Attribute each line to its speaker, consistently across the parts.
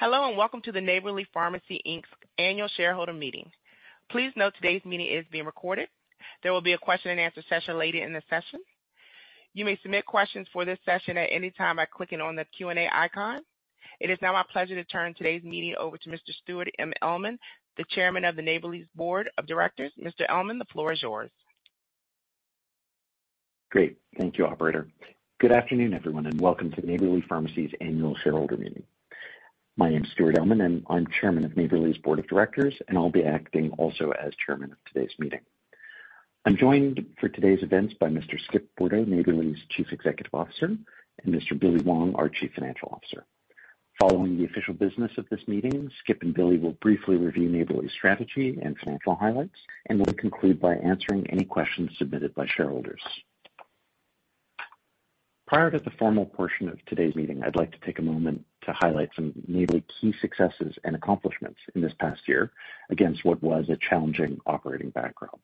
Speaker 1: Hello, Welcome to the Neighbourly Pharmacy Inc.'s annual shareholder meeting. Please note today's meeting is being recorded. There will be a question and answer session later in the session. You may submit questions for this session at any time by clicking on the Q&A icon. It is now my pleasure to turn today's meeting over to Mr. Stuart M. Elman, the Chairman of the Neighbourly's board of directors. Mr. Elman, the floor is yours.
Speaker 2: Great. Thank you, operator. Good afternoon, everyone, and welcome to Neighbourly Pharmacy's annual shareholder meeting. My name is Stuart Elman, and I'm Chairman of Neighbourly's board of directors, and I'll be acting also as Chairman of today's meeting. I'm joined for today's events by Mr. Skip Bourdo, Neighbourly's Chief Executive Officer, and Mr. Billy Wong, our Chief Financial Officer. Following the official business of this meeting, Skip and Billy will briefly review Neighbourly's strategy and financial highlights and will conclude by answering any questions submitted by shareholders. Prior to the formal portion of today's meeting, I'd like to take a moment to highlight some Neighbourly key successes and accomplishments in this past year against what was a challenging operating background.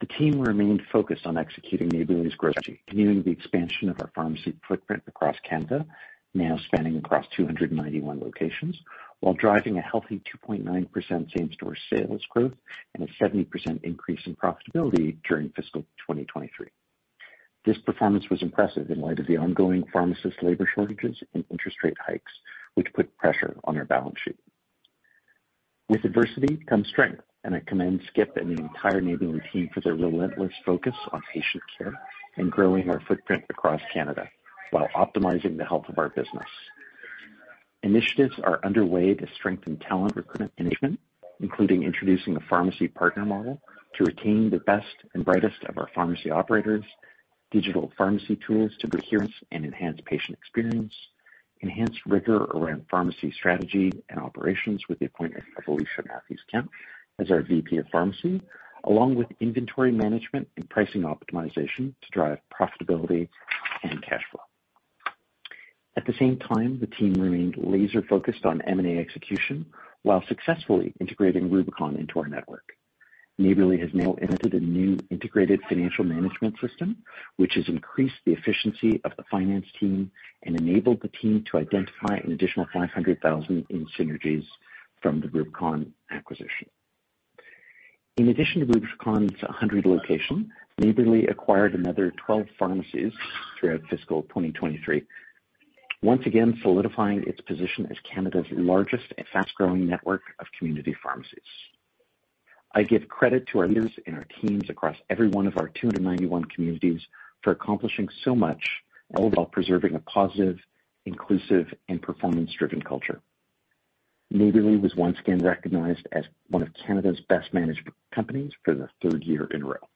Speaker 2: The team remained focused on executing Neighbourly's growth, continuing the expansion of our pharmacy footprint across Canada, now spanning across 291 locations, while driving a healthy 2.9% same store sales growth and a 70% increase in profitability during fiscal 2023. This performance was impressive in light of the ongoing pharmacist labor shortages and interest rate hikes, which put pressure on our balance sheet. With adversity comes strength, and I commend Skip and the entire Neighbourly team for their relentless focus on patient care and growing our footprint across Canada while optimizing the health of our business. Initiatives are underway to strengthen talent recruitment, including introducing a pharmacy partner model to retain the best and brightest of our pharmacy operators, digital pharmacy tools to adherence and enhance patient experience, enhanced rigor around pharmacy strategy and operations with the appointment of Alicia Matthews-Kent as our VP of Pharmacy, along with inventory management and pricing optimization to drive profitability and cash flow. At the same time, the team remained laser-focused on M&A execution while successfully integrating Rubicon into our network. Neighbourly has now entered a new integrated financial management system, which has increased the efficiency of the finance team and enabled the team to identify an additional 500,000 in synergies from the Rubicon acquisition. In addition to Rubicon's 100 location, Neighbourly acquired another 12 pharmacies throughout fiscal 2023, once again solidifying its position as Canada's largest and fast-growing network of community pharmacies. I give credit to our leaders and our teams across every one of our 291 communities for accomplishing so much, all while preserving a positive, inclusive, and performance-driven culture. Neighbourly Pharmacy was once again recognized as one of Canada's Best-Managed Companies for the third year in a row.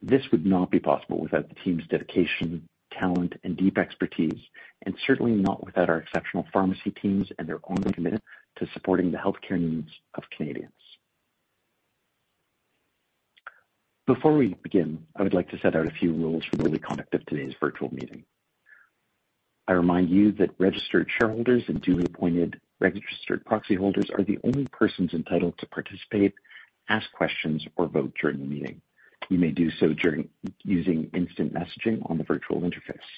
Speaker 2: This would not be possible without the team's dedication, talent, and deep expertise, and certainly not without our exceptional pharmacy teams and their ongoing commitment to supporting the healthcare needs of Canadians. Before we begin, I would like to set out a few rules for the conduct of today's virtual meeting. I remind you that registered shareholders and duly appointed registered proxy holders are the only persons entitled to participate, ask questions, or vote during the meeting. You may do so using instant messaging on the virtual interface.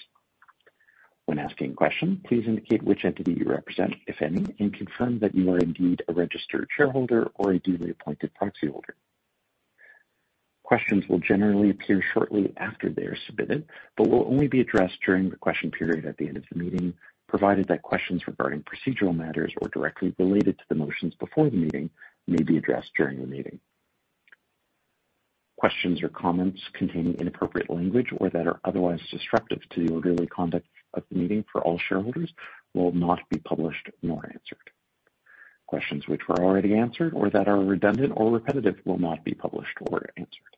Speaker 2: When asking a question, please indicate which entity you represent, if any, and confirm that you are indeed a registered shareholder or a duly appointed proxy holder. Questions will generally appear shortly after they are submitted but will only be addressed during the question period at the end of the meeting, provided that questions regarding procedural matters or directly related to the motions before the meeting may be addressed during the meeting. Questions or comments containing inappropriate language or that are otherwise disruptive to the orderly conduct of the meeting for all shareholders will not be published nor answered. Questions which were already answered or that are redundant or repetitive will not be published or answered.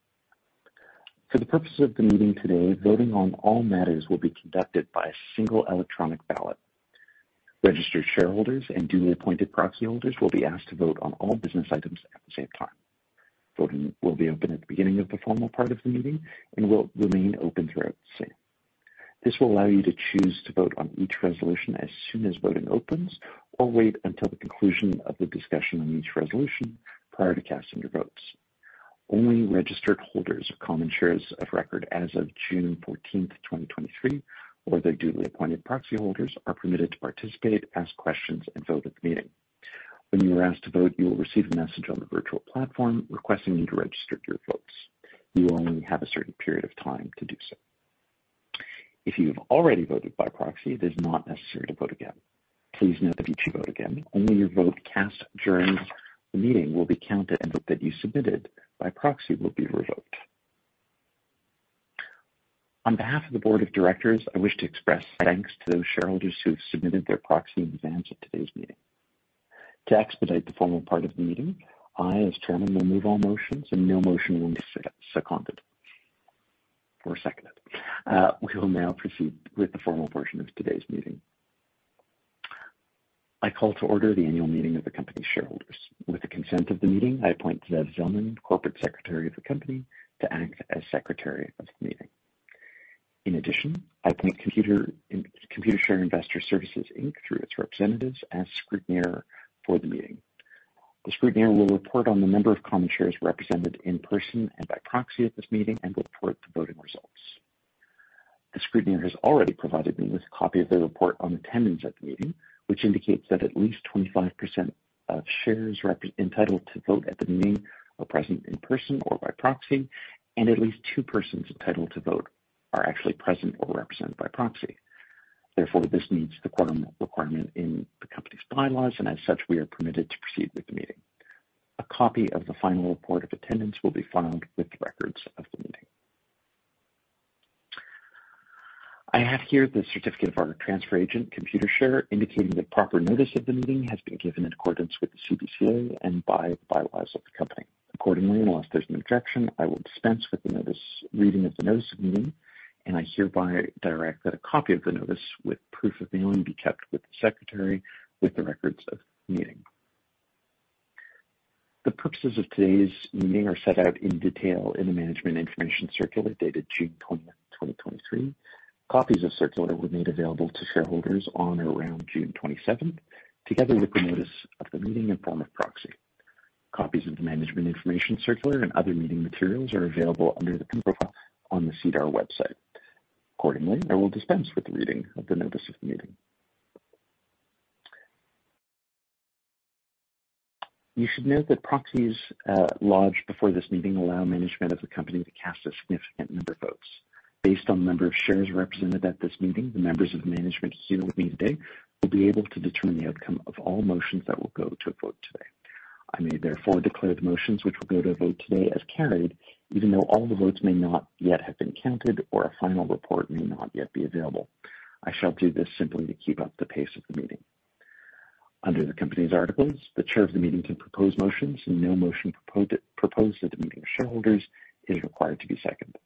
Speaker 2: For the purposes of the meeting today, voting on all matters will be conducted by a single electronic ballot. Registered shareholders and duly appointed proxy holders will be asked to vote on all business items at the same time. Voting will be open at the beginning of the formal part of the meeting and will remain open throughout the same. This will allow you to choose to vote on each resolution as soon as voting opens or wait until the conclusion of the discussion on each resolution prior to casting your votes. Only registered holders of common shares of record as of June 14th, 2023 or their duly appointed proxy holders are permitted to participate, ask questions, and vote at the meeting. When you are asked to vote, you will receive a message on the virtual platform requesting you to register your votes. You only have a certain period of time to do so. If you have already voted by proxy, it is not necessary to vote again. Please note if you do vote again, only your vote cast during the meeting will be counted, and the vote that you submitted by proxy will be revoked. On behalf of the board of directors, I wish to express thanks to those shareholders who have submitted their proxy in advance of today's meeting. To expedite the formal part of the meeting, I, as chairman, will move all motions, and no motion will be seconded. We will now proceed with the formal portion of today's meeting. I call to order the annual meeting of the company's shareholders. With the consent of the meeting, I appoint Zev Zelman, Corporate Secretary of the company, to act as secretary of the meeting. In addition, I appoint Computershare Investor Services Inc., through its representatives, as scrutineer for the meeting. The scrutineer will report on the number of common shares represented in person and by proxy at this meeting and report the voting results. The scrutineer has already provided me with a copy of the report on attendance at the meeting, which indicates that at least 25% of shares entitled to vote at the meeting are present in person or by proxy, and at least two persons entitled to vote are actually present or represented by proxy. Therefore, this meets the quorum requirement in the company's bylaws, and as such, we are permitted to proceed with the meeting. A copy of the final report of attendance will be filed with the records of the meeting. I have here the certificate of our transfer agent, Computershare, indicating that proper notice of the meeting has been given in accordance with the CBCA and by the bylaws of the company. Accordingly, unless there's an objection, I will dispense with the reading of the notice of meeting, and I hereby direct that a copy of the notice with proof of mailing be kept with the Secretary with the records of the meeting. The purposes of today's meeting are set out in detail in the management information circular dated June 20, 2023. Copies of circular were made available to shareholders on or around June 27th, together with the notice of the meeting and form of proxy. Copies of the management information circular and other meeting materials are available under the company profile on the SEDAR+ website. Accordingly, I will dispense with the reading of the notice of the meeting. You should note that proxies lodged before this meeting allow management of the company to cast a significant number of votes. Based on the number of shares represented at this meeting, the members of management here with me today will be able to determine the outcome of all motions that will go to a vote today. I may therefore declare the motions which will go to a vote today as carried, even though all the votes may not yet have been counted or a final report may not yet be available. I shall do this simply to keep up the pace of the meeting. Under the company's articles, the chair of the meeting can propose motions, and no motion proposed at the meeting of shareholders is required to be seconded.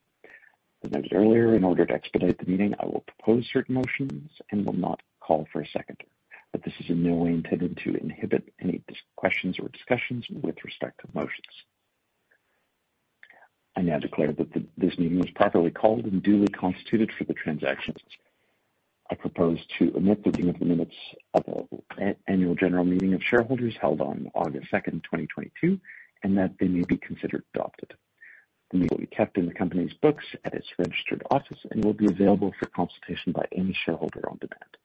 Speaker 2: As noted earlier, in order to expedite the meeting, I will propose certain motions and will not call for a seconder, but this is in no way intended to inhibit any questions or discussions with respect to motions. I now declare that this meeting was properly called and duly constituted for the transactions. I propose to omit the reading of the minutes of the annual general meeting of shareholders held on August 2nd, 2022, and that they may be considered adopted. The minutes will be kept in the company's books at its registered office and will be available for consultation by any shareholder on demand.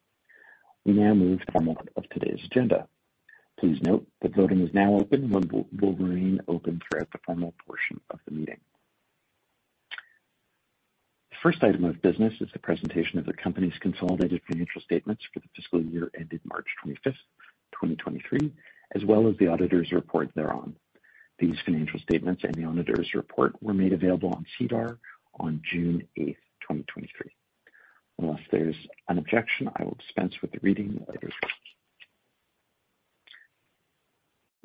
Speaker 2: We now move to the formal part of today's agenda. Please note that voting is now open and will remain open throughout the formal portion of the meeting. The first item of business is the presentation of the company's consolidated financial statements for the fiscal year ended March 25th, 2023, as well as the auditor's report thereon. These financial statements and the auditor's report were made available on SEDAR+ on June 8th, 2023. Unless there's an objection, I will dispense with the reading of those reports.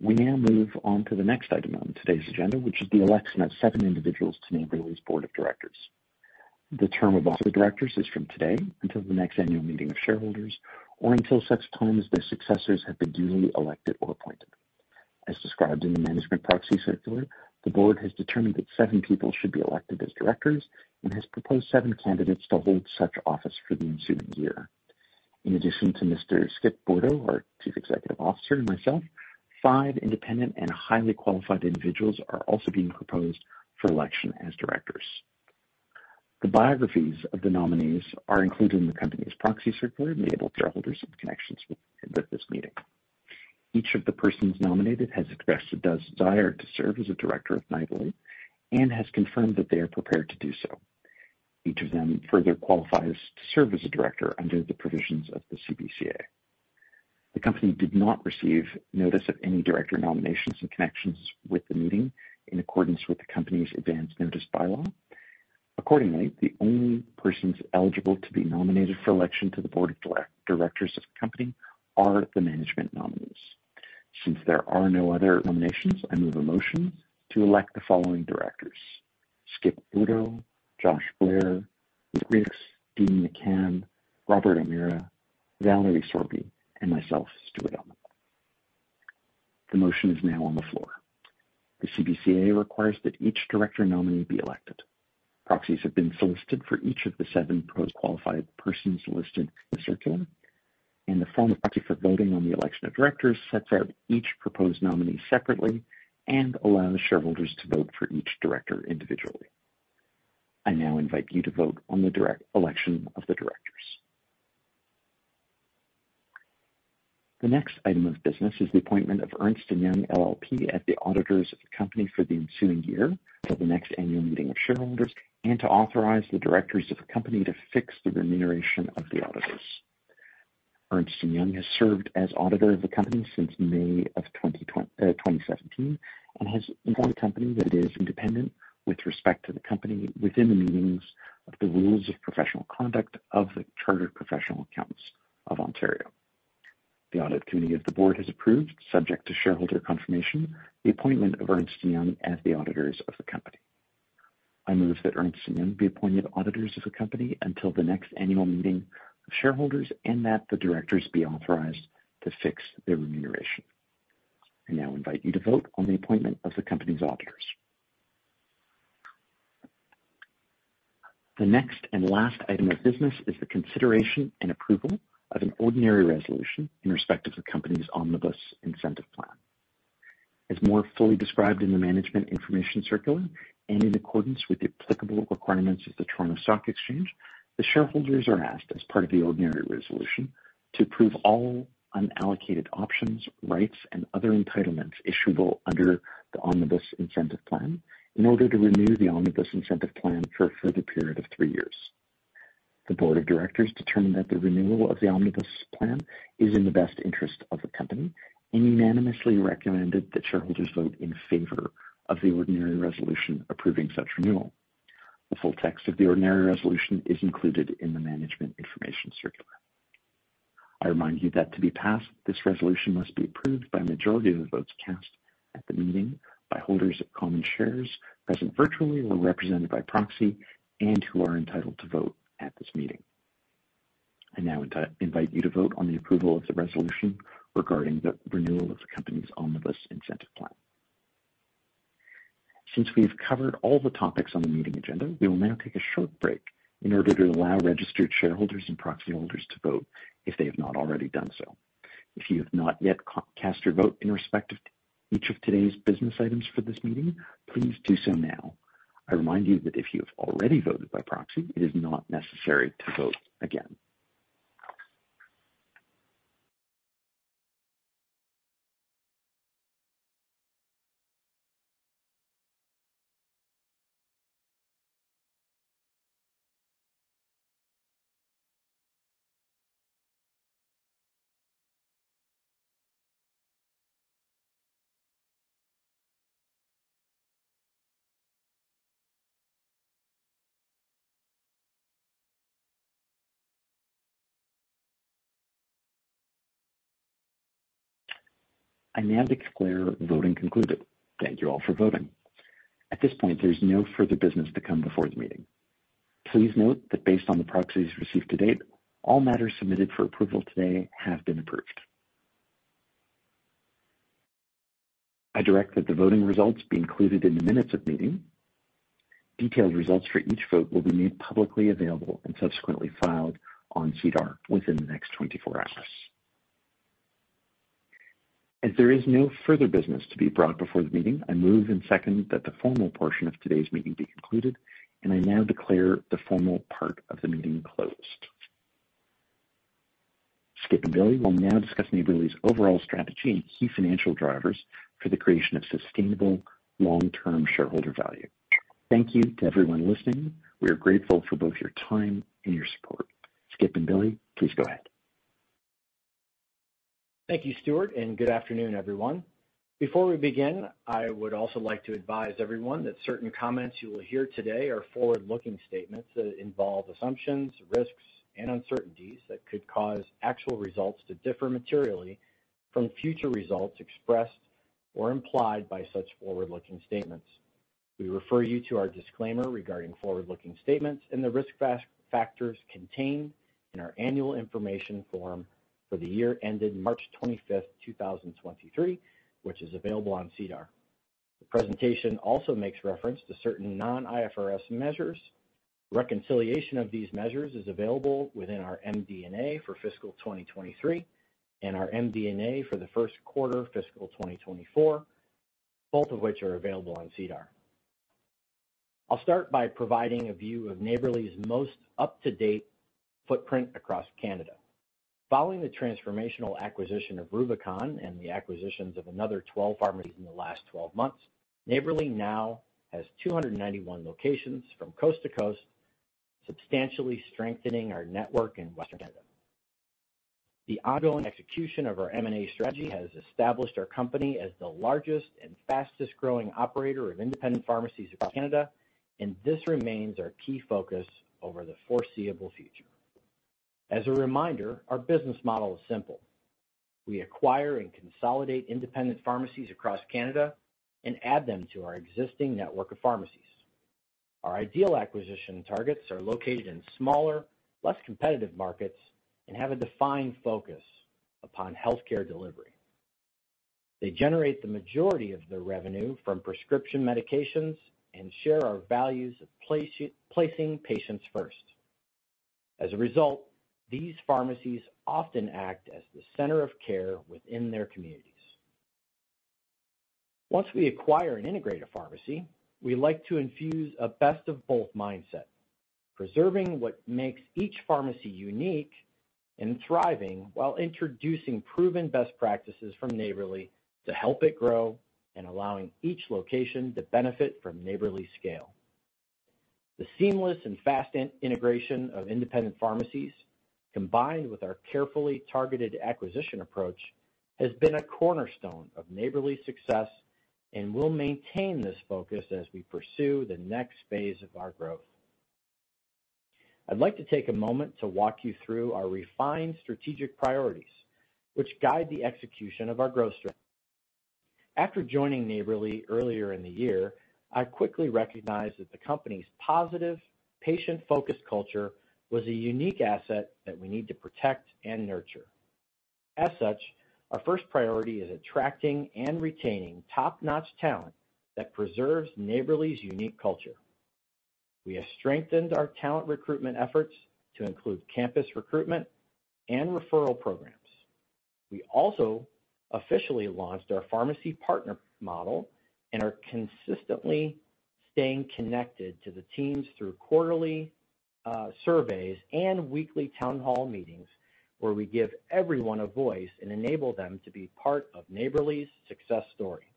Speaker 2: We now move on to the next item on today's agenda, which is the election of seven individuals to Neighbourly Pharmacy's board of directors. The term of office of the directors is from today until the next annual meeting of shareholders or until such time as their successors have been duly elected or appointed. As described in the management proxy circular, the board has determined that seven people should be elected as directors and has proposed seven candidates to hold such office for the ensuing year. In addition to Mr. Skip Bourdo, our Chief Executive Officer, and myself, five independent and highly qualified individuals are also being proposed for election as directors. The biographies of the nominees are included in the company's proxy circular, made available to shareholders in connections with this meeting. Each of the persons nominated has expressed his desire to serve as a director of Neighbourly Pharmacy and has confirmed that they are prepared to do so. Each of them further qualifies to serve as a director under the provisions of the CBCA. The company did not receive notice of any director nominations in connections with the meeting in accordance with the company's advance notice bylaw. Accordingly, the only persons eligible to be nominated for election to the board of directors of the company are the management nominees. Since there are no other nominations, I move a motion to elect the following directors, Skip Bourdo, Josh Blair, Rita Winn, Dean McCann, Robert O'Meara, Valerie Sorbie, and myself, Stuart Elman. The motion is now on the floor. The CBCA requires that each director nominee be elected. Proxies have been solicited for each of the seven pro qualified persons listed in the circular, and the form of proxy for voting on the election of directors sets out each proposed nominee separately and allows shareholders to vote for each director individually. I now invite you to vote on the election of the directors. The next item of business is the appointment of Ernst & Young LLP as the auditors of the company for the ensuing year until the next annual meeting of shareholders, and to authorize the directors of the company to fix the remuneration of the auditors. Ernst & Young has served as auditor of the company since May of 2017 and has informed the company that it is independent with respect to the company within the meanings of the rules of professional conduct of the Chartered Professional Accountants of Ontario. The audit committee of the board has approved, subject to shareholder confirmation, the appointment of Ernst & Young as the auditors of the company. I move that Ernst & Young be appointed auditors of the company until the next annual meeting of shareholders and that the directors be authorized to fix their remuneration. I now invite you to vote on the appointment of the company's auditors. The next and last item of business is the consideration and approval of an ordinary resolution in respect of the company's Omnibus Incentive Plan. As more fully described in the management information circular and in accordance with the applicable requirements of the Toronto Stock Exchange, the shareholders are asked as part of the ordinary resolution to approve all unallocated options, rights, and other entitlements issuable under the Omnibus Incentive Plan in order to renew the Omnibus Incentive Plan for a further period of three years. The board of directors determined that the renewal of the Omnibus Plan is in the best interest of the company and unanimously recommended that shareholders vote in favor of the ordinary resolution approving such renewal. The full text of the ordinary resolution is included in the management information circular. I remind you that to be passed, this resolution must be approved by a majority of the votes cast at the meeting by holders of common shares present virtually or represented by proxy and who are entitled to vote at this meeting. I now invite you to vote on the approval of the resolution regarding the renewal of the company's Omnibus Incentive Plan. Since we've covered all the topics on the meeting agenda, we will now take a short break in order to allow registered shareholders and proxy holders to vote if they have not already done so. If you have not yet cast your vote in respect of each of today's business items for this meeting, please do so now. I remind you that if you have already voted by proxy, it is not necessary to vote again. I now declare voting concluded. Thank you all for voting. At this point, there's no further business to come before the meeting. Please note that based on the proxies received to date, all matters submitted for approval today have been approved. I direct that the voting results be included in the minutes of meeting. Detailed results for each vote will be made publicly available and subsequently filed on SEDAR+ within the next 24 hours. As there is no further business to be brought before the meeting, I move and second that the formal portion of today's meeting be concluded, and I now declare the formal part of the meeting closed. Skip and Billy will now discuss Neighbourly's overall strategy and key financial drivers for the creation of sustainable long-term shareholder value. Thank you to everyone listening. We are grateful for both your time and your support. Skip and Billy, please go ahead.
Speaker 3: Thank you, Stuart. Good afternoon, everyone. Before we begin, I would also like to advise everyone that certain comments you will hear today are forward-looking statements that involve assumptions, risks, and uncertainties that could cause actual results to differ materially from future results expressed or implied by such forward-looking statements. We refer you to our disclaimer regarding forward-looking statements and the risk factors contained in our annual information form for the year ended March 25th, 2023, which is available on SEDAR+. The presentation also makes reference to certain non-IFRS measures. Reconciliation of these measures is available within our MD&A for fiscal 2023 and our MD&A for the first quarter fiscal 2024, both of which are available on SEDAR+. I'll start by providing a view of Neighbourly's most up-to-date footprint across Canada. Following the transformational acquisition of Rubicon and the acquisitions of another 12 pharmacies in the last 12 months, Neighbourly now has 291 locations from coast to coast, substantially strengthening our network in Western Canada. The ongoing execution of our M&A strategy has established our company as the largest and fastest-growing operator of independent pharmacies across Canada, and this remains our key focus over the foreseeable future. As a reminder, our business model is simple. We acquire and consolidate independent pharmacies across Canada and add them to our existing network of pharmacies. Our ideal acquisition targets are located in smaller, less competitive markets and have a defined focus upon healthcare delivery. They generate the majority of their revenue from prescription medications and share our values of placing patients first. As a result, these pharmacies often act as the center of care within their communities. Once we acquire and integrate a pharmacy, we like to infuse a best-of-both mindset, preserving what makes each pharmacy unique and thriving while introducing proven best practices from Neighbourly to help it grow and allowing each location to benefit from Neighbourly scale. The seamless and fast in-integration of independent pharmacies, combined with our carefully targeted acquisition approach, has been a cornerstone of Neighbourly success and will maintain this focus as we pursue the next phase of our growth. I'd like to take a moment to walk you through our refined strategic priorities, which guide the execution of our growth strategy. After joining Neighbourly earlier in the year, I quickly recognized that the company's positive, patient-focused culture was a unique asset that we need to protect and nurture. As such, our first priority is attracting and retaining top-notch talent that preserves Neighbourly's unique culture. We have strengthened our talent recruitment efforts to include campus recruitment and referral programs. We also officially launched our pharmacy partner model and are consistently staying connected to the teams through quarterly surveys and weekly town hall meetings, where we give everyone a voice and enable them to be part of Neighbourly's success story.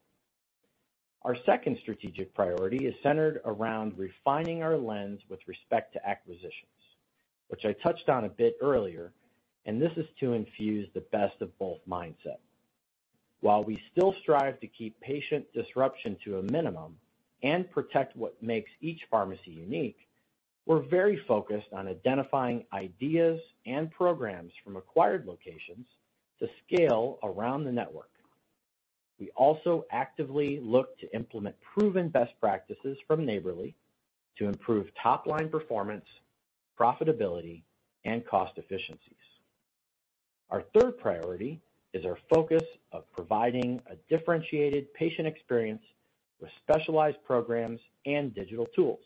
Speaker 3: Our second strategic priority is centered around refining our lens with respect to acquisitions, which I touched on a bit earlier, and this is to infuse the best of both mindset. While we still strive to keep patient disruption to a minimum and protect what makes each pharmacy unique, we're very focused on identifying ideas and programs from acquired locations to scale around the network. We also actively look to implement proven best practices from Neighbourly to improve top-line performance, profitability, and cost efficiencies. Our third priority is our focus of providing a differentiated patient experience with specialized programs and digital tools.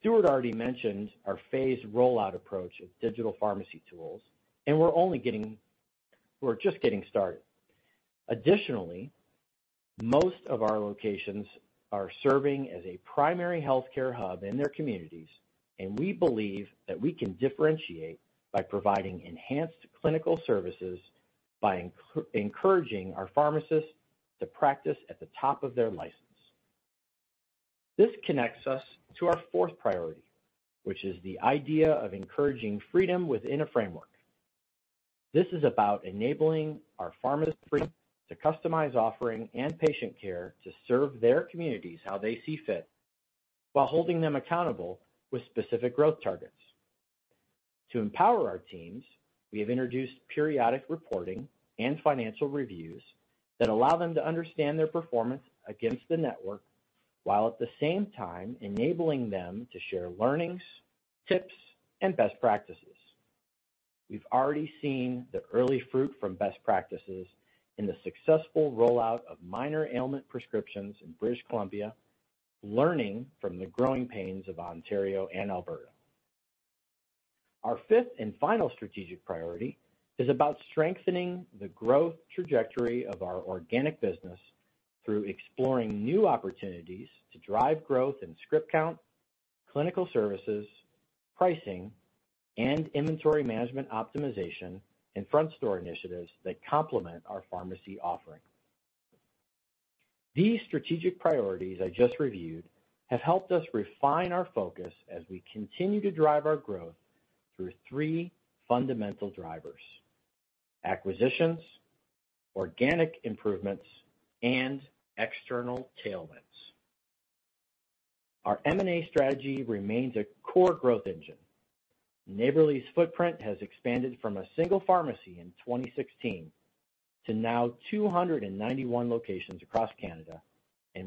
Speaker 3: Stuart already mentioned our phased rollout approach of digital pharmacy tools. We're just getting started. Additionally, most of our locations are serving as a primary healthcare hub in their communities. We believe that we can differentiate by providing enhanced clinical services by encouraging our pharmacists to practice at the top of their license. This connects us to our fourth priority, which is the idea of encouraging freedom within a framework. This is about enabling our pharmacy to customize offering and patient care to serve their communities how they see fit, while holding them accountable with specific growth targets. To empower our teams, we have introduced periodic reporting and financial reviews that allow them to understand their performance against the network, while at the same time enabling them to share learnings, tips, and best practices. We've already seen the early fruit from best practices in the successful rollout of minor ailment prescriptions in British Columbia, learning from the growing pains of Ontario and Alberta. Our fifth and final strategic priority is about strengthening the growth trajectory of our organic business through exploring new opportunities to drive growth in script count, clinical services, pricing, and inventory management optimization and front-store initiatives that complement our pharmacy offering. These strategic priorities I just reviewed have helped us refine our focus as we continue to drive our growth through three fundamental drivers: acquisitions, organic improvements, and external tailwinds. Our M&A strategy remains a core growth engine. Neighbourly's footprint has expanded from a single pharmacy in 2016 to now 291 locations across Canada.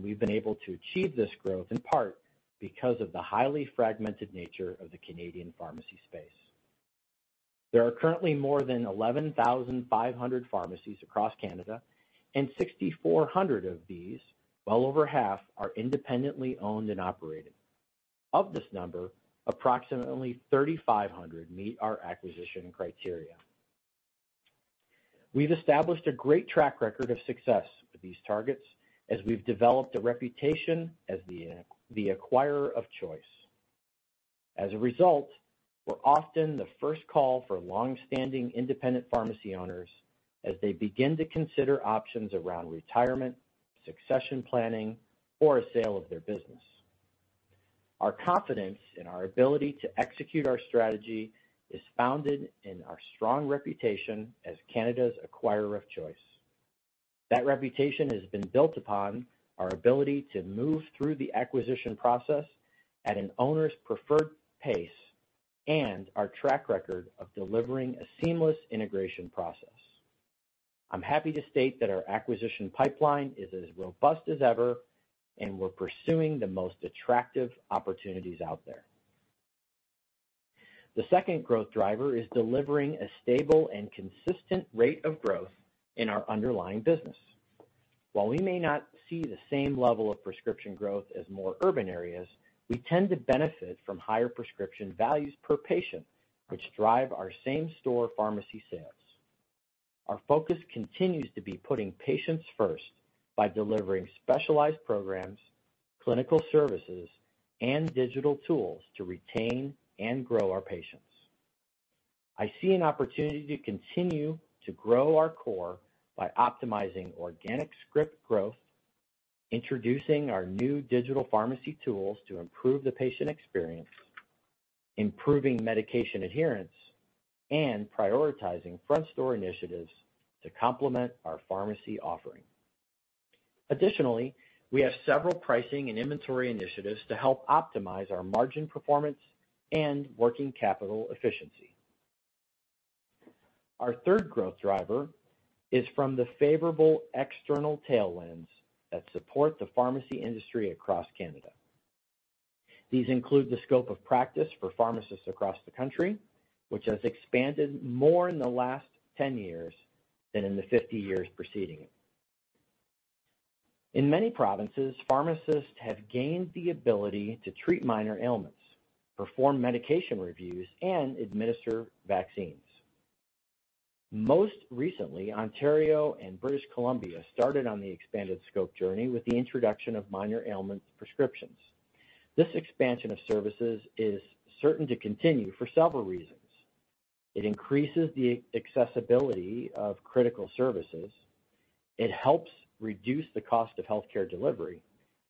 Speaker 3: We've been able to achieve this growth in part because of the highly fragmented nature of the Canadian pharmacy space. There are currently more than 11,500 pharmacies across Canada. Sixty-four hundred of these, well over half, are independently owned and operated. Of this number, approximately 3,500 meet our acquisition criteria. We've established a great track record of success with these targets as we've developed a reputation as the acquirer of choice. As a result, we're often the first call for long-standing independent pharmacy owners as they begin to consider options around retirement, succession planning, or a sale of their business. Our confidence in our ability to execute our strategy is founded in our strong reputation as Canada's acquirer of choice. That reputation has been built upon our ability to move through the acquisition process at an owner's preferred pace and our track record of delivering a seamless integration process. I'm happy to state that our acquisition pipeline is as robust as ever, and we're pursuing the most attractive opportunities out there. The second growth driver is delivering a stable and consistent rate of growth in our underlying business. While we may not see the same level of prescription growth as more urban areas, we tend to benefit from higher prescription values per patient, which drive our same-store pharmacy sales. Our focus continues to be putting patients first by delivering specialized programs, clinical services, and digital tools to retain and grow our patients. I see an opportunity to continue to grow our core by optimizing organic script growth, introducing our new digital pharmacy tools to improve the patient experience, improving medication adherence, and prioritizing front-store initiatives to complement our pharmacy offering. Additionally, we have several pricing and inventory initiatives to help optimize our margin performance and working capital efficiency. Our third growth driver is from the favorable external tailwinds that support the pharmacy industry across Canada. These include the scope of practice for pharmacists across the country, which has expanded more in the last 10 years than in the 50 years preceding it. In many provinces, pharmacists have gained the ability to treat minor ailments, perform medication reviews, and administer vaccines. Most recently, Ontario and British Columbia started on the expanded scope journey with the introduction of minor ailment prescriptions. This expansion of services is certain to continue for several reasons. It increases the accessibility of critical services, it helps reduce the cost of healthcare delivery,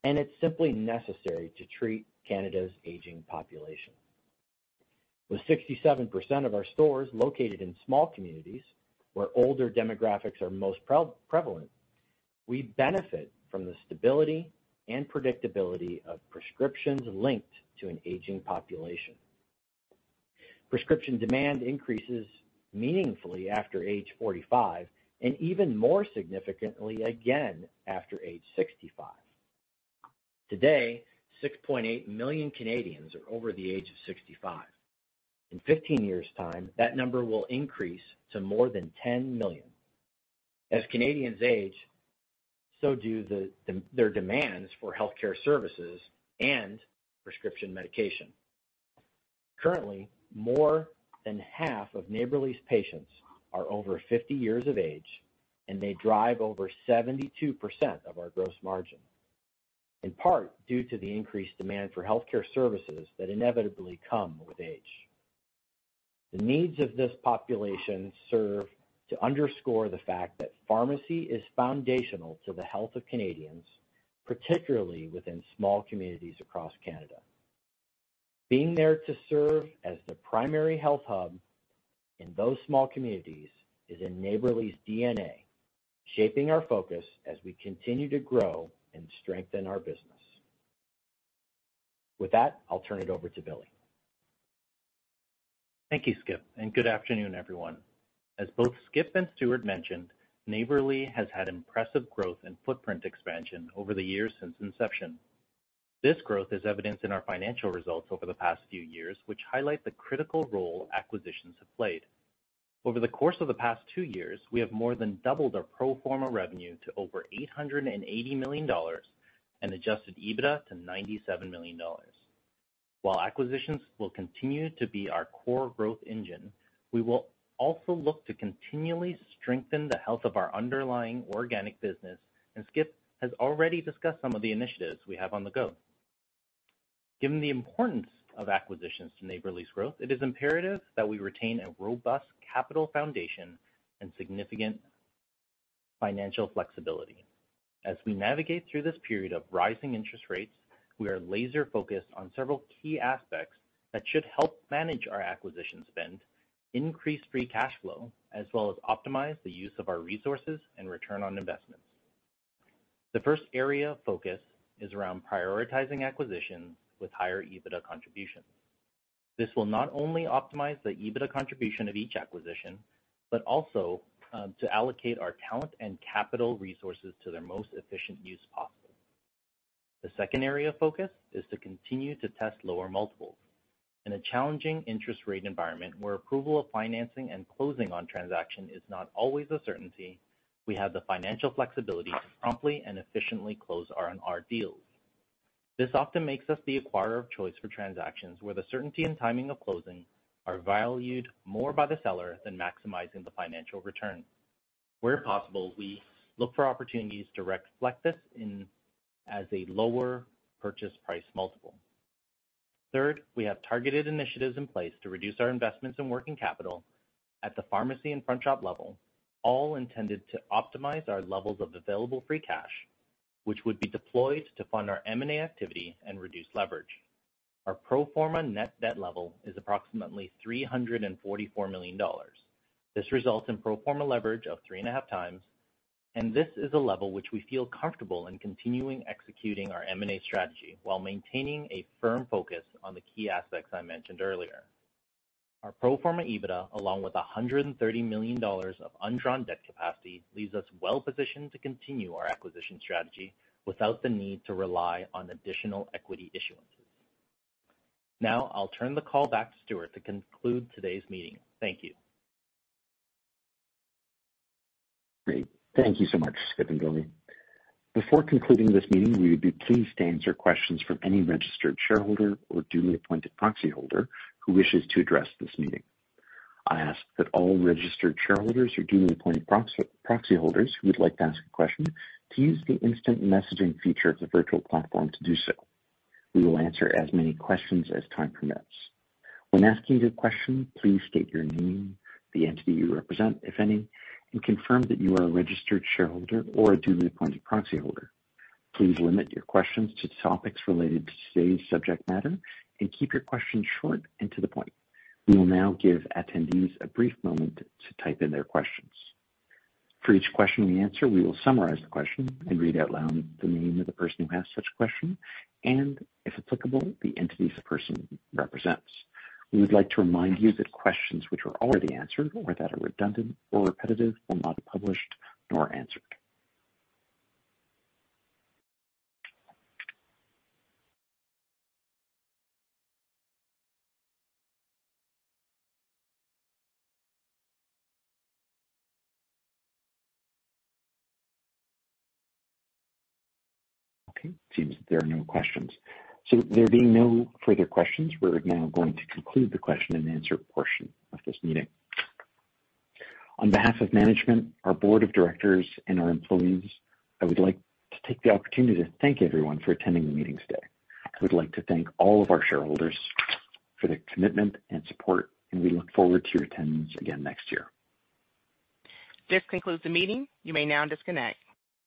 Speaker 3: and it's simply necessary to treat Canada's aging population. With 67% of our stores located in small communities where older demographics are most prevalent, we benefit from the stability and predictability of prescriptions linked to an aging population. Prescription demand increases meaningfully after age 45 and even more significantly again after age 65. Today, 6.8 million Canadians are over the age of 65. In 15 years' time, that number will increase to more than 10 million. As Canadians age, so do the, their demands for healthcare services and prescription medication. Currently, more than half of Neighbourly's patients are over 50 years of age, and they drive over 72% of our gross margin, in part due to the increased demand for healthcare services that inevitably come with age. The needs of this population serve to underscore the fact that pharmacy is foundational to the health of Canadians, particularly within small communities across Canada. Being there to serve as the primary health hub in those small communities is in Neighbourly's DNA, shaping our focus as we continue to grow and strengthen our business. With that, I'll turn it over to Billy.
Speaker 4: Thank you, Skip, and good afternoon, everyone. As both Skip and Stuart mentioned, Neighbourly has had impressive growth and footprint expansion over the years since inception. This growth is evidenced in our financial results over the past few years, which highlight the critical role acquisitions have played. Over the course of the past two years, we have more than doubled our pro forma revenue to over 880 million dollars and adjusted EBITDA to 97 million dollars. While acquisitions will continue to be our core growth engine, we will also look to continually strengthen the health of our underlying organic business, and Skip has already discussed some of the initiatives we have on the go. Given the importance of acquisitions to Neighbourly's growth, it is imperative that we retain a robust capital foundation and significant financial flexibility. As we navigate through this period of rising interest rates, we are laser-focused on several key aspects that should help manage our acquisition spend, increase free cash flow, as well as optimize the use of our resources and return on investments. The first area of focus is around prioritizing acquisitions with higher EBITDA contributions. This will not only optimize the EBITDA contribution of each acquisition, but also to allocate our talent and capital resources to their most efficient use possible. The second area of focus is to continue to test lower multiples. In a challenging interest rate environment where approval of financing and closing on transaction is not always a certainty, we have the financial flexibility to promptly and efficiently close R&R deals. This often makes us the acquirer of choice for transactions where the certainty and timing of closing are valued more by the seller than maximizing the financial return. Where possible, we look for opportunities to reflect this in, as a lower purchase price multiple. Third, we have targeted initiatives in place to reduce our investments in working capital at the pharmacy and front shop level, all intended to optimize our levels of available free cash, which would be deployed to fund our M&A activity and reduce leverage. Our pro forma net debt level is approximately 344 million dollars. This results in pro forma leverage of 3.5x, and this is a level which we feel comfortable in continuing executing our M&A strategy while maintaining a firm focus on the key aspects I mentioned earlier. Our pro forma EBITDA, along with 130 million dollars of undrawn debt capacity, leaves us well-positioned to continue our acquisition strategy without the need to rely on additional equity issuances. I'll turn the call back to Stuart to conclude today's meeting. Thank you.
Speaker 2: Great. Thank you so much, Skip and Billy. Before concluding this meeting, we would be pleased to answer questions from any registered shareholder or duly appointed proxyholder who wishes to address this meeting. I ask that all registered shareholders or duly appointed proxyholders who would like to ask a question to use the instant messaging feature of the virtual platform to do so. We will answer as many questions as time permits. When asking your question, please state your name, the entity you represent, if any, and confirm that you are a registered shareholder or a duly appointed proxyholder. Please limit your questions to topics related to today's subject matter and keep your questions short and to the point. We will now give attendees a brief moment to type in their questions. For each question we answer, we will summarize the question and read out loud the name of the person who asked such question and, if applicable, the entity the person represents. We would like to remind you that questions which were already answered or that are redundant or repetitive will not be published nor answered. Okay, seems there are no questions. There being no further questions, we're now going to conclude the question and answer portion of this meeting. On behalf of management, our board of directors, and our employees, I would like to take the opportunity to thank everyone for attending the meeting today. I would like to thank all of our shareholders for their commitment and support, and we look forward to your attendance again next year.
Speaker 1: This concludes the meeting. You may now disconnect.